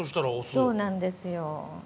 そうなんですよ。